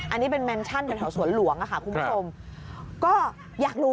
อันนี้เป็นแมนชั่นแถวสวนหลวงอะค่ะคุณผู้ชมก็อยากรู้